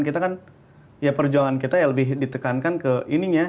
kita kan ya perjuangan kita ya lebih ditekankan ke ininya